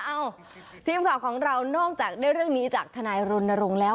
เอ้าทีมข่าวของเรานอกจากได้เรื่องนี้จากทนายรณรงค์แล้ว